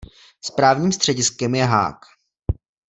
Správním střediskem je Haag.